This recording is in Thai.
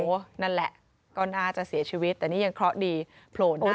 โอ้โหนั่นแหละก็น่าจะเสียชีวิตแต่นี่ยังเคราะห์ดีโผล่หน้า